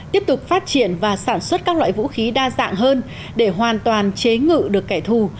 tiếp tục phát triển và sản xuất các loại vũ khí đa dạng hơn để hoàn toàn chế ngự được kẻ thù